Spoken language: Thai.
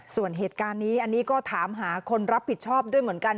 ส่วนเหตุการณ์นี้อันนี้ก็ถามหาคนรับผิดชอบด้วยเหมือนกัน